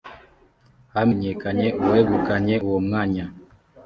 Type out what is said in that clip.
hamenyekanye uwegukanye uwo mwanya.